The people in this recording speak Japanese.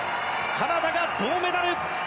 カナダが銅メダル。